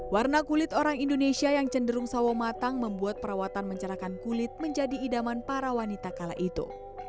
warna kulit orang indonesia yang cenderung sawo matang membuat perawatan mencerahkan kulit menjadi idaman para wanita kala itu